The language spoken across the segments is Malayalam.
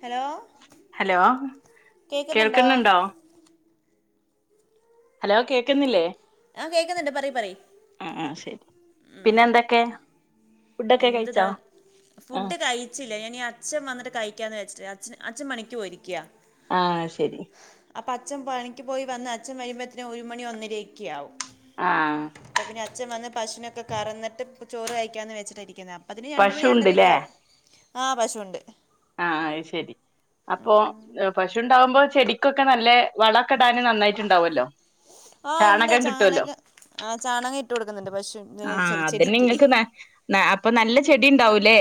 ഹലോ ഹലോ കേൾക്കുന്നുണ്ടോ ഹലോ കേക്കുന്നില്ലേ ആ കേൾക്കുന്നുണ്ട് പറയു പറയു ആ ശരി പിന്നെ എന്തൊക്കെ ഫുഡൊക്കെ എന്ത്താ കഴിച്ചോ ആ ഫുഡ് കഴിച്ചി ഇല്ല ഞാനി അച്ഛൻ വന്നിട്ട കഴിക്കാ എന്ന് വെച്ചിട്ട്ച് അച്ചൻ പണിക്ക് പോയിരിക്കാ ആഹ ശരി അപ്പോൾ അച്ഛം പണിക്ക് പോയി വന്ന് അച്ഛൻ വരുമ്പോഴത്തേന് ഒരു മണി ഒന്നരേക്കെ ആവും. ആഹ അച്ചൻ വന്ന് പശുനൊക്കെ കറന്നിട്ട് ചോറ് കഴിക്കാന്ന് വെച്ചിട്ടിരിക്കേ അപ്പൊതിന് രണ്ട് മണി രണ്ടരക്ക പശുണ്ട്ല്ലേ ആവും. ആ പശുണ്ട്. ആഹ അത് ശരി അപ്പൊ പശുണ്ടാവുമ്പോ ചെടി. ക്കൊക്കെ നല്ല വള കെടാന് നന്നായിട്ടുണ്ടാവല്ലോ. ആഹ ഇണ്ട് ചാണകം ആ ചാണകം ഇട്ടു കൊടുക്കുന്നുണ്ട് ആ പശു അതന്നെ ചെടിക്ക്. ഇങ്ങക്ക് ന ന അപ്പൊ നല്ല ചെടി ഉണ്ടാവൂല്ലേ.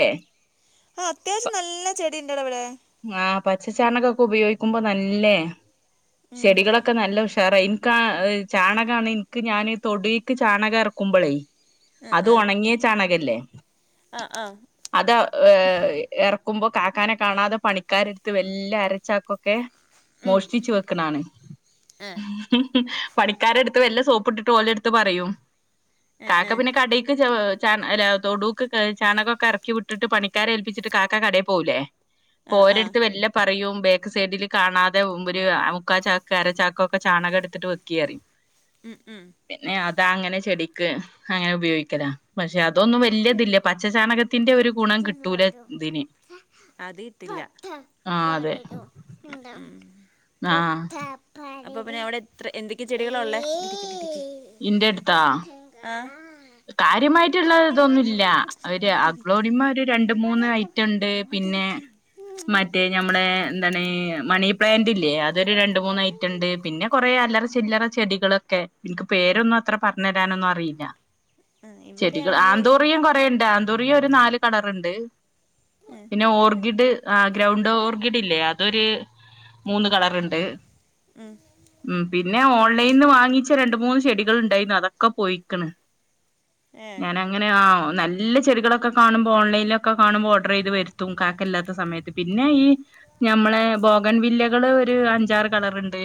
ആ അത്യാവശ്യം നല്ല ചെടി ഉണ്ടട ഇവിടെ. ആഹ് പച്ചച്ചാണകക്കൊക്കെ ഉപയോഗിക്കുമ്പോ നല്ലേ. ഉം. ചെടികളൊക്കെ നല്ല ഉഷാറായി എനിക്കാ ചാണകാണ്. ക്ക് ഞാൻ തൊടുവിക്ക് ചാണകം ഇറക്കുമ്പോളേ ആ അത് ആ ഉണങ്ങിയ ചാണകല്ലേ. ആ ആ അത് ഏ ഇറക്കുമ്പോ കാക്കാനെ കാണാതെ. പണിക്കാര എടുത്ത് വല്ല അരച്ചാക്കൊക്കെ. ഉം. മോഷ്ടിച്ചു വെക്കണാണ്. ആ ഹും ഹും.. പണിക്കാരടുത്ത് വല്ല സോപ്പ് ഇട്ടിട്ട് ഓല എടുത്ത് പറയും ആ കാക്ക ആ പിന്നെ കടിക്ക്. ചാ അല്ല തൊടൂക്ക് ചാണകമൊക്കെ ഇറക്കി വിട്ടിട്ട് പണിക്കാര ഏൽപ്പിച്ചിട്ട് കാക്ക കടയിൽ പോകു ലേ. ആ ആ ഓരിടടുത്ത് വല്ല പറയുംപേ. സൈഡില് കാണാതെ കുമ്പോഒരു മുക്കാ ചാക്ക് അരച്ചാക്ക ഒക്കെ ചാണകം എടുത്തിട്ട് വെക്കിറിയും. മം ഉം അതാ അങ്ങനെ ചെടിക്ക് അങ്ങനെ ഉപയോഗിക്കല പക്ഷെ അത്. അതൊന്നും വലിയതില്ല പച്ചചാണകത്തിന്റെ ഒരു ഗുണം കിട്ടൂല ഇതിന്. ട്ടില്ല. ആഹ് ഉം അതെ ഉം ആഹ് അപ്പൊ പിന്നെ അവിടെ എത്ര എന്തൊക്കെയെ ചെടികള ഉള്ളെ. ആ കാര്യമായിട്ടുള്ളത്. അതൊന്നുല്ല ഒരു അവിടെ ഇരിക്ക് അഗ്ലോണിയമ ഒരു രണ്ട് മൂന്ന് ഐറ്റം ഉണ്ട് അവിടെ പിന്നെ ഇരിക്ക് മറ്റ.. എ നമ്മളെമണി പ്ലാന്റ്. അ അതൊരു രണ്ട് മൂന്ന് ഐറ്റ ഉണ്ട് പിന്നെ കൊറെ അല്ലറ ചില്ലറ. ചെടികളൊക്കെ എനിക്ക് പേരൊന്നും അത്ര പറഞ്ഞു തരാനൊന്നും അറിയില്ല. ആ ചെടികൾ ഇവിടെയാണെങ്കിൽ ആന്തോറിയും കൊറെണ്ട് ആന്തോറിയ ഒരു നാല് കളറുണ്ട്. ആ പിന്നെ ഓർക്കിഡ് ആ ഗ്രൗണ്ട് ഓർക്കിഡ് ഇല്ലേ അതൊരു. മൂന്ന് കളർ ഉണ്ട് ഉം ഉ പിന്നെ ഓൾ. നല്ലന്ന് വാങ്ങിച്ച രണ്ട് മൂന്ന് ചെടികൾ ഉണ്ടായിരുന്നു അതൊക്കെ പോയിക്കണ്. ഏ ഞാന അങ്ങനെയ ആ. നല്ല ചെടികളൊക്കെ കാണുമ്പോൾ ഓൺലൈനിലൊക്കെ കാണുമ്പോൾ ഓർഡർ ചെയ്ത് വരുത്തും കാക്കല്ലാത്ത സമയത്ത് പിന്നെ ഈ. ഞമ്മളെ ബോഗൻ വില്ലകള് ഒരു അഞ്ചാറ് കളർുണ്ട്.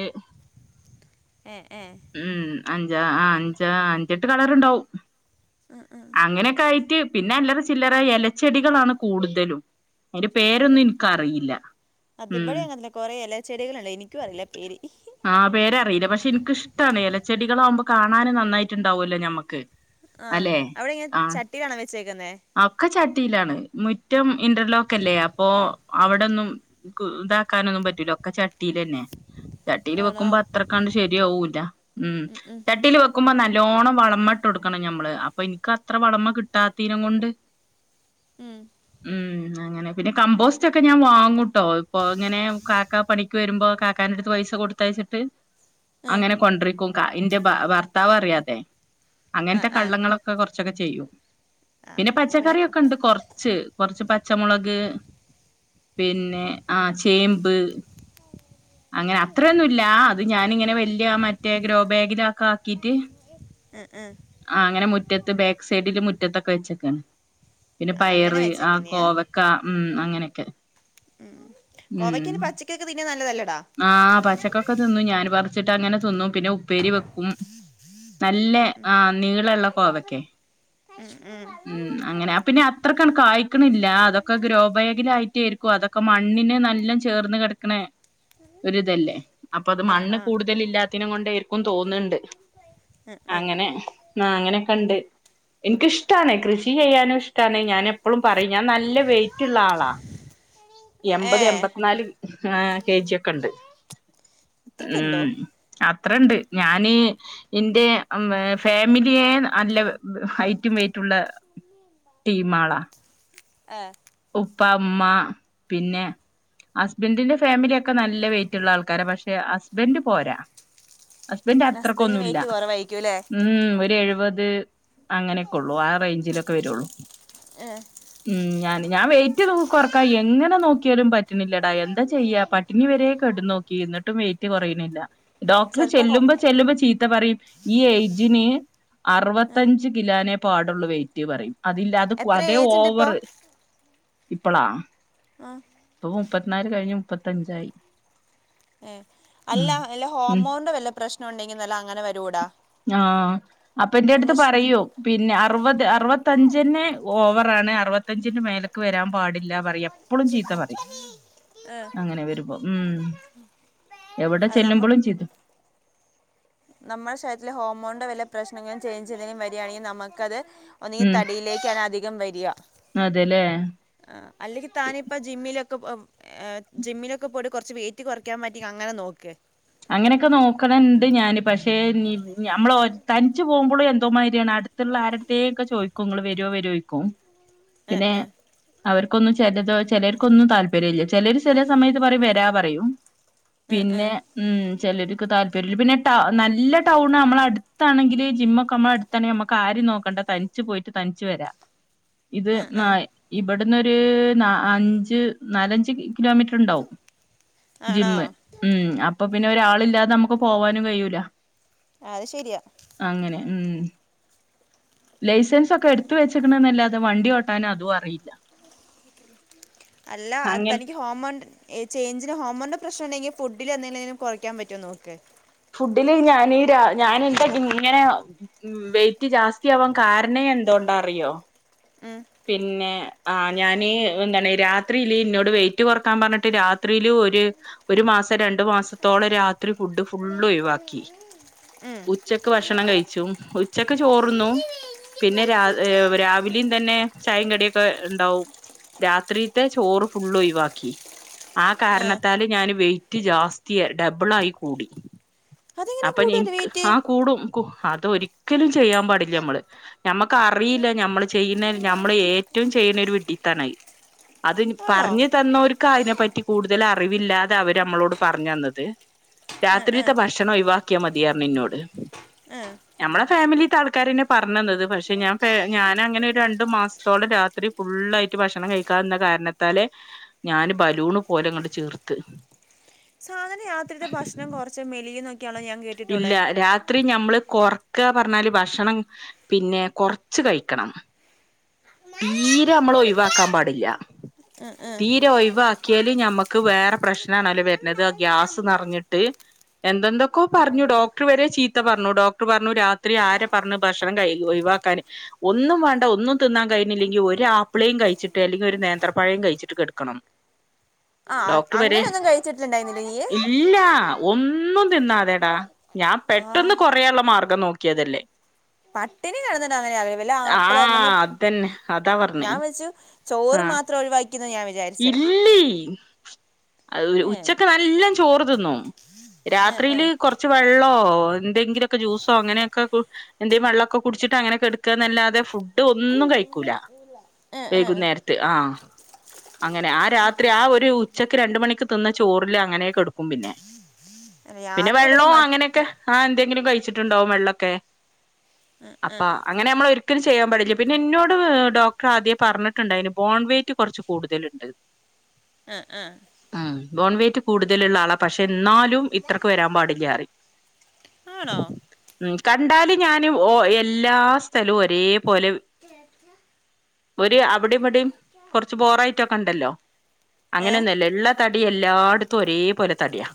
എഏ. അഞ്ച ആ അഞ്ച അഞ്ചെട്ട് കളർ ഉണ്ടാവും. ഉം ഉം അങ്ങനെയൊക്കെ ആയിട്ട് പിന്നെ അല്ലറ ചില്ലറ ഇലച്ചെടികളാണ് കൂടുതലും. അതിന്റെ പേരൊന്നും എനിക്കറിയില്ല. അത് ഉം ഇവിടെ അങ്ങനെ കൊറെ എല ചെടികളുണ്ട്എനിക്കും അറിയില്ല പേര്. ആ പേരറിയില്ല പക്ഷെ എനിക്കിഷ്ടമാണ് ഇലച്ചെടികളാവവുമ്പോ കാണാനും നന്നായിട്ടുണ്ടാവുമല്ലോ മ്മുക്ക്. ആ അവിടെ ഇങ്ങനെ ചട്ടിലാണോ വെച്ചേക്കുന്നേ. യിലാണ് മുറ്റം ഇന്റർലോക്ക് അല്ലേ അപ്പോ അവിടെന്നും ഇതാക്കാനൊന്നും പറ്റു ലാ. പ ക്കച്ചട്ടിൽ തന്നെ. ചട്ടിയിൽ ആണോ വെക്കുമ്പോ അത്രക്കണ്ട് ശരിയാവൂല്ല ഉ ഉം ഉം ചട്ടില് വെക്കുമ്പോ നല്ലോണം വളമ്മ ട്ടൊട്ക്കണം ഞമ്മള് അപ്പൊ ഇൻക്ക് അത്ര വളമ കിട്ടാത്തീനും കൊണ്ട്. ഉം ഉം അങ്ങനെ പിന്നെ കമ്പോസ്റ്റൊക്കെ ഞാൻ വാങ്ങൂട്ടോ ഇപ്പോ ഇങ്ങനെ കാക്ക പണിക്ക് വരുമ്പോ കാക്കാന അടുത്ത് പൈസ കൊടുത്തയച്ചിട്ട് ആ അങ്ങനെ കൊണ്ട്രിക്കും ക ഇന്റെ ഭ ഭർത്താവറിയാതെ ആ അങ്ങൻത്തെ ആ കള്ളങ്ങളൊക്കെ കൊർച്ചൊക്കെ ചെയ്യും ആ പിന്നെ അപ്പോൾ പച്ചക്കറിയൊക്കെണ്ട് കൊർച്ച് കൊർച്ച് പ ച്ചമുളക് പിന്നെ ആ ചേമ്പ് അങ്ങനെ അത്രയൊന്നുല്ല അത് ഞാനിങ്ങനെ വല്ല്യയ മറ്റേ ഗ്രോ ബാഗിലൊക്കാക്കീട്ട് ആ ആ ആ അങ്ങനെ മുറ്റത്ത് ബാക്ക് സൈഡില് മുറ്റത്തൊക്കെ വെച്ചക്കാണ് പിന്നെ ആ അങ്ങനെ പയറ് ആ വെച്ചേക്ക് നീയേ കോവക്ക ഉം അങ്ങനെക്കെ ഉം കോവക്കയ്ന് പച്ചക്കൊക്കെ തിന്ന നൽ ആഹ് പച്ചക്കൊക്കെ തിന്നും ഞാൻ പറിച്ചിട്ട് അങ്ങനെ തിന്നും പിന്നെ ഉപ്പേരി വെ ക്കും നല്ലെ ഉം ഉം ആ നീളള്ള കോവക്കെ ഉം അങ്ങനെ പിന്നെ അത്രക്കണ് കായ്ക്കിണില്ല അതൊക്കെ ഗ്രോബാഗിലായിട്ടെ അതൊക്കെ മണ്ണിന് നല്ലോം ചേർന്ന് കെട്ക്കിണേ ഒരു ഇതല്ലേ അപ്പൊ അത് ആ മണ്ണ് ആ കൂടുതലില്ലാത്തീനെ കൊണ്ടേരിക്കും തോന്നിണ്ട് ഉം ഉം അങ്ങനെ നാ അങ്ങനെക്കെണ്ട് എൻക്കിഷ്ടാണ് കൃഷി ചെയ്യാനും ഇഷ്ടാണ് ഞാൻ എപ്പളും പറിം ഞാൻ നല്ല വെയിറ്റിള്ള ആളാ ഏ എൺപത് എൺമ്പത്തിനാല് ആ കെജ്യൊക്കെണ്ട് ഇത്രയ്ക്ക് ഉണ്ടോ ഉം അ അത്രണ്ട് ഞാന് എന്റെ ഫാമിലിയെ അല് ഹൈറ്റും വെയ്റ്റും [unintelligible] ടീമളാ [inaudible] ഉപ്പ അമ്മ പിന്നെ ഹസ്ബൻ്റിന്റെ ഫാമിലിയൊക്കെ നല്ല വെയിറ്റുള്ള ആൾക്കാര പക്ഷെ ഹസ്ബൻഡ് പോരാ ഹസ്ബൻഡ് ഹസ്ബൻഡിന് അത്രക്കൊന്നുല്ല വെയിറ്റ് കുറവായിരിക്കും അല്ലേ ഇങ്ങോട്ട് ഉം ഇങ്ങോട്ട് ഒരു എഴുവത് അങ്ങനെയൊക്കൊള്ളു ആ റേഞ്ചിലൊക്കെ വരൊള്ളു. ഏ ഉം ഞാൻ ഞാൻ വെയിറ്റ് [unintelligible] കൊറക്കാൻ യെങ്ങനെ നോക്കിയാലും പറ്റ് പറ്റിന്നില്ലടാ എന്താ ചെയ്യാ പട്ടിണി വരെ കെടന്ന് നോക്കി എന്നിട്ടും വെയിറ്റ് കുറയണില്ല ഡോക്ടർ ചിലപ്പോൾ ഹോ ചെല്ലുമ്പോ ചെല്ലുമ്പോ ചീത്ത പറയും ഈ ഏജിന് ഏ അറുപത്തഞ്ച് കിലോനെ പാടുള്ള വെയിറ്റ് പറയും അതില്ല അത് എത്ര അതേ ഏജ് ഉണ്ട് ഇപ്പോൾ ഓവറ് ഇപ്പളാ ആ ഇപ്പൊ മുപ്പത്തിനാല് കഴിഞ്ഞ് മുപ്പത്തഞ്ചായി ഏ അല്ല ഉം അല്ല ഉം ഹോർമോണന്റെ വല്ല പ്രശ്ന ഉണ്ടെങ്കി നല്ല അങ്ങനെ വരൂടാ. അപ്പന്റെ അടുത്ത് നമ്മൾ പറയൂ പിന്നെ അറുപത് അറുപത്തഞ്ചിന് ഓവറാണ് അറുപത്തഞ്ച്. ന്റെ മേലേക്ക് വരാൻ പാടില്ല പറയും എപ്പോഴും ചീത്ത പറയും ഏഹ് അങ്ങനെ വരുമ്പോ ഉം എവിടെ അത് നമ്മ ചെല്ലുമ്പോളും ചിത [inaudible] നമ്മുടെ ശരീര്ലെ ഹോർമോണിന്റെ വലിയ പ്രശ്നങ്ങളും ചേഞ്ച് ചെയ്യുന്നും വരികയാണെങ്കിൽ നമുക്കത് ഒന്നീ ഉം തടിയിലേക്കാന അധികം വരികാ അതെല്ലേ ആ അല്ലെങ്കി താനിപ്പ ജിമ്മിലൊ ജിമ്മിലൊക്കെ പോയിട്ട കുറച്ച് വെയിറ്റ് കുറയ്ക്കാൻ പറ്റിന്ക അങ്ങനെ നോക്ക് അങ്ങനെയൊക്കെ നോക്കണണ്ട് ഞാന് പക്ഷെ ഞമ്മള തനിച്ചു പോകുമ്പോളും എന്തോമാതിരിയാണ് അടുതുള്ള ആരുടത്തേക് ചോദിക്കും നിങ്ങള് വരുവോ വരോക്കും ഏഹ് പിന്നെ ഏഹ് അവർക്കൊന്നും ചിലത് ചിലർക്കൊന്നും താല്പര്യ ഇല്ല ചിലർ ചില സമയത്ത് പറയും വരാ പറയും ഏഹ് പിന്നെ. ഏഹ് ചിലർക്ക് താല്പര്യമില്ല പിന്നെ നല്ല ടൗണ് നമ്മള അടുത്താണെങ്കില് ജിം ഒക്കെ നമ്മള അടുത്താണെങ്കിൽ നമ്മുക് ആ നോക്കണ്ട തനിച്ചു പോയിട്ട് തനിച്ചു വരാ ഇത് ഏഹ് ഏഹ് ഇവിടന്നൊരു അഞ്ച് നാലഞ്ച് ലൊമീറ്ററുണ്ടാവും ആണോ ജിമ് ഉം അപ്പപ്പിന്നെ ഒരാളില്ലാതെ ഞമ്മക്ക് പോവാനും കഴിയൂല അത് ശരിയാ. അങ്ങനെ ഉം. ലൈസൻസ് ഒക്കെ എടുത്ത് വെച്ചിക്കിണ്ന്നല്ലാതെ വണ്ടി ഓട്ടാന് അതും അറീല്ല അല്ല തനിക്ക് ഹോമോൺ ചേഞ്ചന് ഹോമോൺ പ്രശ്നണ്ടെങ്കി ഫുഡിൽ എന്തിലേലും കൊറക്കാൻ പറ്റോ നോക്ക് ഫുഡില് ഞനീ രാ ഞാന് എന്താട്ടും ഇങ്ങനെ വെയിറ്റ് ജാസ്തിയാവാൻ കാര്ണേ എന്തോണ്ടാ അറിയോ ഉം പിന്നെ ആ ഞാന് എന്താണ് രാത്രില്ലീന്നോട് വെയിറ്റ് കൊറക്കാൻ പർഞ്ഞിട്ട് രാത്രീല് ഒരു ഒരു മാസം രണ്ടു മാസത്തോളം രാത്രി ഫുഡ് ഫുള്ള് ഒയുവാക്കി ഉം ഉച്ചക്ക് ഭക്ഷണം കയിച്ചും ഉച്ചക്ക് ചോറിന്നും പിന്നെ രാ ഏ രാവിലിം തന്നെ ചായിം കടിയൊക്കെ ഇണ്ടാവും രാത്രീത്തെ ചോറ് ഫുള്ള് ഒയിവാക്കി ആ ഏഹ് കാരണത്താൽ ഞാൻ വെയിറ്റ് ജാസ്തി ഡബിൾ ആയി കൂടി അതെങ്ങനെ അപ്പൊ കൂടുമല്ലോ നിൻക്ക് വെയിറ്റ് ആ കൂടും കു അതൊരിക്കലും ചെയ്യാൻ പാടില്ലമ്മള് ഞമ്മക്കർ റീല്ല ഞമ്മള് ചെയ്യുന്ന ഞമ്മള് ഏറ്റോം ചെയ്യുന്നൊര് വിഡിത്താണ അത് ആണോ പർഞ്ഞ് തന്നോർക്ക് അയിനെ പറ്റി കൂടുതൽ അറിവില്ലതെ അവരമ്മളോട് പറഞ്ഞന്നത് ആ ആ രാത്രീത്തെ ഭക്ഷണം ഒയിവാക്കിയാ മതീയർഞ്ഞ് ഇന്നോട് ആ ഞമ്മളെ ഫാമിലീത്തെ ആൾക്കാരന്നെ പർഞ്ഞന്നത് പക്ഷെ ഞാൻ ഫേ ഞാൻ അങ്ങനെ രൺ ട് മാസ്ത്തോളം രാത്രി ഫുള്ളായിട്ട് ഭക്ഷണം കയ്ക്കാതെന്ന കാര്ണത്താല് ഞാൻ ബലൂണ് പോലെങ്ങ ട് ചീർത്ത് അങ്ങനെ രാത്രീത്തെ ഭക്ഷണം കൊർച്ച മെലിയും ഇല്ല രാത്രി ഞമ്മള് കൊർക്ക പർഞ്ഞാല് ഭക്ഷണം പിന്നെ കൊർച്ച് കയിക്കണം തീരെമ്മള് ഒയ്വാക്കാൻ പാടില്ല തീരെ ഒയ്വാക്കിയാല് ഞമ്മക്ക് വേറെ പ്രശ്നാണോല്ലോ വെര്ന്നത് ഗ്യാസ് നറഞ്ഞിട്ട് എന്തന്തൊക്കോ അത് പർഞ്ഞു വേണ്ട വേണ്ട ഡോക്ടർ വരെ ചീത്ത പർഞ്ഞു ഡോക്ടർ പറഞ്ഞു രാത്രി ആരെ പർഞ്ഞുഭക്ഷണം കയി ഒയ്വ വാക്കാന് ഒന്നും വേണ്ട ഒന്നും തിന്നാൻ കയ്‌ ഞില്ലെങ്കി ഒരു ആപ്പിളേം കയ്ച്ചിട്ട് അല്ലെങ്കിൽ ഒരു നേന്ത്രപ്പഴേം കഴിച്ചിട്ട് കെട്ക്കണം ആ ഡോക്ടർ വരെ അങ്ങനെയൊന്നും കഴിച്ചിട്ടുണ്ടായിരുന്നില്ല നീ ഇല്ല ഒന്ന്- ന്നും തിന്നാതെടാ ഞാൻ ആ പെട്ടന്ന് കൊറയാള്ള മാർഗം നോക്ക്യേതല്ലേ പട്ടിണി കെട്ന്നിട്ട അങ്ങനെയാ വല്ല ആപ്പിള് ആഹ് അതന്നെ അതാ പറഞ്ഞേ ഞാൻ വെച്ചു ചോറ് മാത്രം ഒഴിവാ ഇല്ലീ ഏ ഉച്ചക്കെല്ലാ ചോറ് തിന്നും ഏ ഏ രാത്രിയില് കുറച്ച് വെള്ളോ എന്തെങ്കിലുംഒക്കെ ജ്യൂസോ അങ്ങനെയൊക്കെ എന്തെ വെള്ളക്കെ കുടിച്ച് ട്ട് അങ്ങനെകേട്ക്കാ എന്നല്ലാതെ ഫുഡ് ഒന്നും കഴിക്കൂല ഏ ഏ വൈകുന്നേരത്ത് ആഹ് അങ്ങനെ ആ രാത്രി ആ ഒരു ഉച്ചക്ക് രണ്ട് മണിക്ക് തിന്ന ചോറില് അങ്ങനെ കെടക്കും പിന്നെ പിന്നെ രാത്രി വരെ വെള്ളോ മ അങ്ങനെയൊക്കെ ആ എന്തെങ്കിലും കഴിച്ചിട്ടുണ്ടാവും വെള്ളക്കെ ആഹ് അപ്പ അങ്ങനെ നമ്മളൊരിക്കലും ചെയ്യാൻ പടില്ല പിന്നെ എന്നോട് ഡോക്ടർ ആദ്യ പറഞ്ഞിട്ടുണ്ടായിന് ബോൺ വെയ്റ്റ് കുറച്ച് കു കൂടുതല്ണ്ട് ആഹ് ആഹ് ബോൺ വേറ്റ് കൂടുതലുള്ള ആളാ പക്ഷെ എന്നാലും ഇത്രക്ക് വരാൻ പാടില്ലാറിം ആണോ മ് കണ്ടാല് ഞാന് എല്ലാ സ്ഥലവും ഒരേ പോലെ ഒരു അവിടെ ഇവിടെയും കുറച്ച് ബോറായി [unintelligible] ക്ക ഉണ്ടല്ലോ ഏ അങ്ങനെയൊന്നുല്ല ഉള്ള തടി എല്ലായിടത്തും ഒരേ പോലെ തടിയാ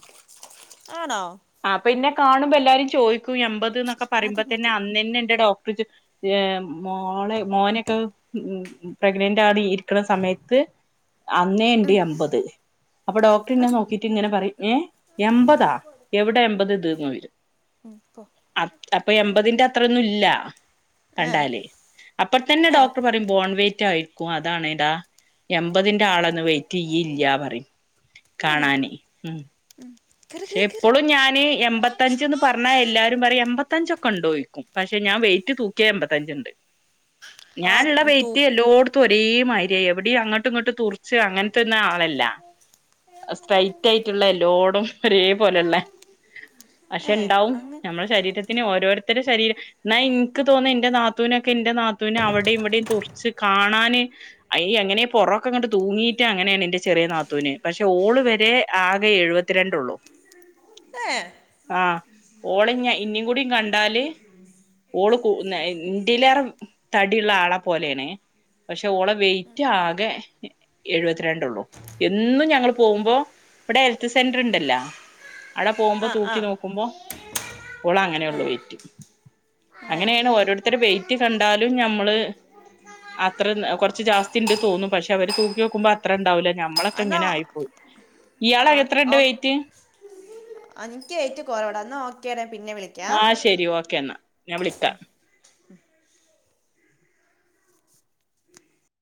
ആണോ ആ പിന്നെ കാണുമ്പോ എല്ലാവരും ചോദിക്കും എൻപത് എന്നൊക്കെ പറയ്മ്പ മതി തന്നെ മതി അന്നന്നേ ഡോ [unintelligible] ഏഹ് മോളെ മോനൊക്കെ ഉം പ്രഗ്നന്റ് ആണ് ഇരിക്കണ സമയത്ത് അന്നേണ്ട് എമ്പത് അപ്പൊ ഡോക്ടർ ഇന്നെ അത് നോക്കിട്ട് ഇങ്ങനെ പറിം എ എൺമ്പതാ എവിടെ എൺപത് ഇത് ചോദി ഉം, പോ അ അപ്പൊ എമ്പതിന്റെ അത്രൊന്നും ഇല്ല ഏ കണ്ടാല് അപ്പൊത്തന്നെ ഏ ഡോക്ടർ പറയും ബോൺവേറ്റ് ആയിരിക്കും അതാണ് എടാ എമ്പതിന്റെ ആളന്നും വെയ്റ്റ്യ്യില്ല പറയും ഏ കാണാനേ ഉം കയറി ക്ഷെ കയറി കയറി ഇപ്പളും ഞാന് എൺമ്പത്തഞ്ച്ന്ന് പറഞ്ഞാ എല്ലാരും പറയും എൺമ്പത്തഞ്ചൊക്കെണ്ടോയ്ക്കും പക്ഷെ ഞാൻ ഞാൻ വെയ്റ്റ് തൂക്യാ എൺപത്തഞ്ച്ണ്ട്‌ ആ ഞാന്ള്ള തൂ വെയ്റ്റ് എല്ലോട്ത്തും ഒ രേ മയ്രിയാ എവിടെയും അങ്ങട്ടും ങ്ങട്ടും തുറിച്ച് അങ്ങനത്തന്നും ആളല്ല സ്ട്രൈറ്റ് ആയിട്ടുള്ള എല്ലോടം ഒരേ പോലെള്ളെ പക്ഷെ ഏ ണ്ടാവും അങ്ങ് നമ്മളുടെ ശരീരത്തിന് ഓരോര്ത്തരെ ശരീരം ന്നാ ഇൻക്ക് തോന്ന ന്റെ നാത്തൂനെ ക്ക്‌ന്റെ നാത്തൂന് അവിടിം വിടിം തുറിച്ച് കാണാന് അയ് അങ്ങനെ പൊറൊക്കെ ങ്ങട്ട് തൂങ്ങീട്ട് ആണ് നേണ് ന്റെ ചെറിയ നാത്തൂന് പക്ഷെ ഓള് വരെ ആകെ എഴുപത്തിരണ്ടുള്ളൂ ഏ ആഹ് ഓളെഞ്ഞി ഇഞ്ഞി കൂടി കണ്ടാല് ഓള് [unintelligible] ഇന്റിലേറെ തടിള്ള ആളെ പോലേണ് പക്ഷെ ഓളെ വെയിറ്റ് ആകെ എഴുപത്തിരണ്ടൊള്ളൂ എന്നും ഞങ്ങള് പോകുമ്പോ ഇവിടെ ഹെൽത്ത് സെന്റർണ്ടല്ലോ അട പോകുമ്പോ ആ ആ തൂക്കി നോക്കുമ്പോ ഏ ഓളങ്ങനെള്ളു വെയ്റ്റ് ഏ അങ്ങനെണ് ഓരോരുത്തര് വെയിറ്റ് കണ്ടാലും ഞമ്മള് അത്ര കൊറച്ച് ജാസ്തി ണ്ട് തോന്നും പക്ഷെ അവര് തൂക്കി നോക്കുമ്പോ അത്ര ണ്ടാവൂല്ല ഞ മ്മളൊക്കെ എന്നാ ഇങ്ങനെ ആയി പോയി ഇയാളാ എത്രണ്ട് വെയ്റ്റ്? [unintelligible] ന്നാ ഓക്കേട പിന്നെ വിളിക്കാ ആ ശരി ഓക്കെ ഞാൻ വിളിക്ക